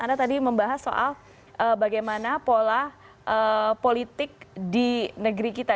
anda tadi membahas soal bagaimana pola politik di negeri kita